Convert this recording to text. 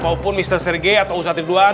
maupun mr sergei atau ustadz ridwan